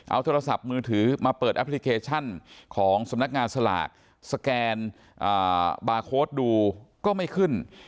เอาโทรศัพท์มือถือมาเปิดแอปพลิเคชันของสำนักงานสลากสแกนบาร์โค้ดดูก็ไม่ขึ้น